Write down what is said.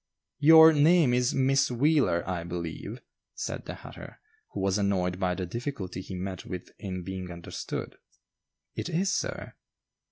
"Your name is Miss Wheeler, I believe," said the hatter, who was annoyed by the difficulty he met with in being understood. "It is, sir."